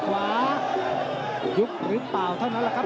ตามต่อยกที่สองครับ